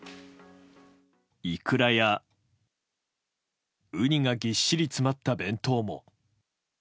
イクラやウニがぎっしり詰まった弁当も。